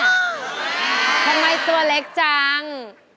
ทำไมตัวเล็กจัง